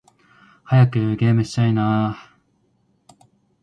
早くゲームしたいな〜〜〜